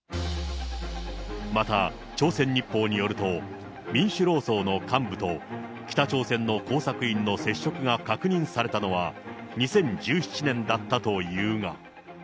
また、朝鮮日報によると、民主労総の幹部と、北朝鮮の工作員の接触が確認されたのは、２０１７年だったというが。